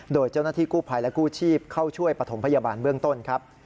โดยเจ้าหน้าที่กู้ภัยและกู้ชีพเข้าช่วยปฐมพยาบาลเบื้องต้นครับ